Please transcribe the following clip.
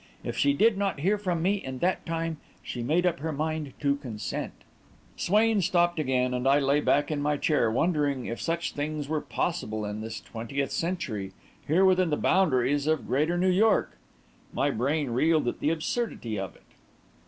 If she did not hear from me in that time, she had made up her mind to consent." Swain stopped again, and I lay back in my chair, wondering if such things were possible in this twentieth century, here within the boundaries of Greater New York! My brain reeled at the absurdity of it!